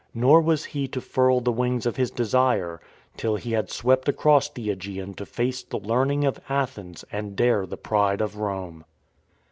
Nor was he to furl the wings of his desire till he had swept across the ^gean to face the learning of Athens and dare the pride of Rome.